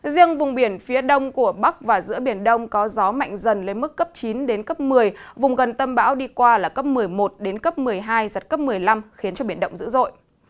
riêng vùng biển phía đông của bắc và giữa biển đông có gió mạnh dần lên mức cấp chín đến cấp một mươi vùng gần tâm bão đi qua là cấp một mươi một đến cấp một mươi hai giật cấp một mươi năm khiến cho biển động dữ dội